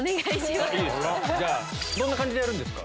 どんな感じでやるんですか？